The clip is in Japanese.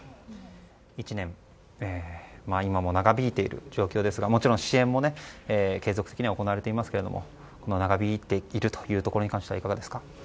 １年と今も長引いている状況ですがもちろん支援も継続的に行われていますが長引いているというところに関してはいかがですか。